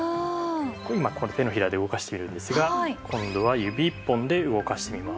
今手のひらで動かしているんですが今度は指一本で動かしてみます。